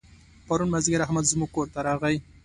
پرون مازدیګر احمد زموږ کور ته راغی.